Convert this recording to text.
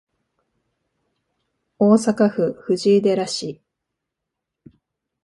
大阪府藤井寺市